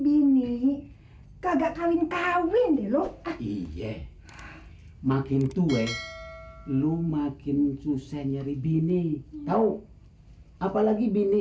bini kagak kawin kawin di lo iya makin tua lu makin susah nyari bini tahu apalagi bini